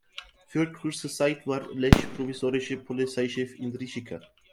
Für kurze Zeit war Lerch provisorischer Polizeichef in Rijeka.